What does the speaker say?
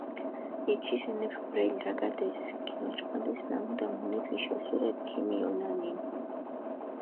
იჩის ენეფქ ბრელი, რაგადეს, გინოჭყვიდეს ნამუდა, მუნეფიში ოსურეფი ქიმიჸონანინი.